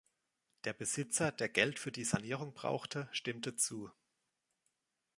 Der Besitzer, der Geld für die Sanierung brauchte, stimmte zu.